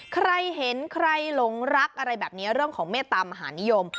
ใครเห็นใครหลงรักเรื่องของเมตตามหานิยม